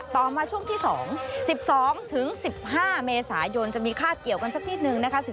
ต่อมาช่วงที่๒๑๒ถึง๑๕เมษายนจะมีคาดเกี่ยวกันสักนิดนึงนะคะ